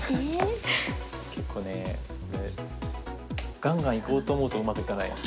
結構ねがんがんいこうと思うとうまくいかない。